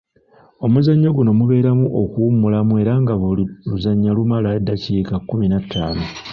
Omuzannyo guno mubeeramu okuwummulamu era nga buli luzannya lumala eddakiika kkumi na ttaano.